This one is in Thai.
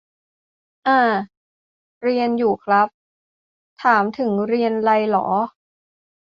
อ่า เรียนอยู่ครับ ถามถึงเรียนไรเหรอ ?